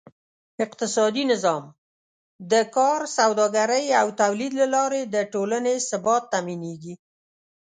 اقتصادي نظام: د کار، سوداګرۍ او تولید له لارې د ټولنې ثبات تأمینېږي.